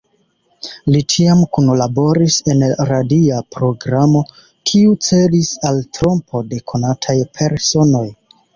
Li tiam kunlaboris en radia programo, kiu celis al trompo de konataj personoj.